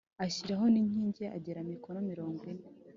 Ashyiraho n inkingi agera mikono mirongo ine